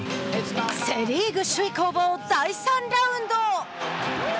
セ・リーグ首位攻防第３ラウンド。